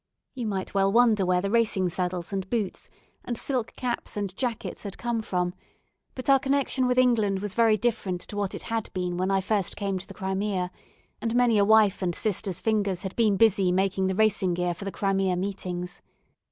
You might well wonder where the racing saddles and boots, and silk caps and jackets had come from; but our connection with England was very different to what it had been when I first came to the Crimea, and many a wife and sister's fingers had been busy making the racing gear for the Crimea meetings.